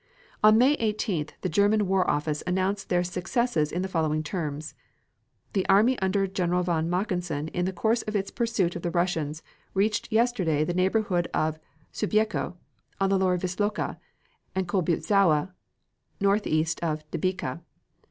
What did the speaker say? On May 18th the German War Office announced their successes in the following terms: "The army under General von Mackensen in the course of its pursuit of the Russians reached yesterday the neighborhood of Subiecko, on the lower Wisloka, and Kolbuezowa, northeast of Debica.